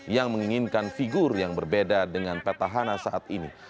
yang menginginkan figur yang berbeda dengan petahana saat ini